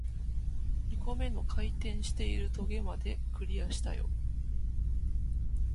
二個目の回転している棘まで、クリアしたよ